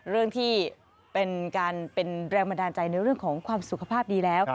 เรื่องที่เป็นการเป็นแรงบันดาลใจในเรื่องของความสุขภาพดีแล้ว